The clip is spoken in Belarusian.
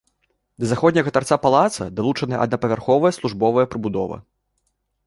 Да заходняга тарца палаца далучаная аднапавярховая службовая прыбудова.